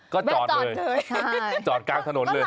ก็จอดเลยจอดกลางถนนเลย